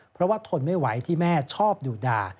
เพราะว่าทนไม่ไหวที่แม่ชอบดุด่า